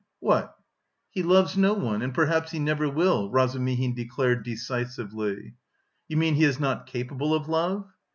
"What?" "He loves no one and perhaps he never will," Razumihin declared decisively. "You mean he is not capable of love?"